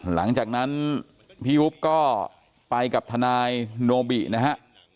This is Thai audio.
หลังจากนั้นพี่อุ๊บก็ไปกับทนายโนบินะฮะ